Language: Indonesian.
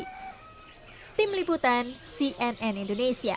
hai tim liputan cnn indonesia